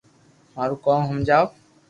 مارو ڪوم ھمجاو